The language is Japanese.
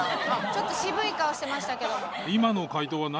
ちょっと渋い顔してましたけども。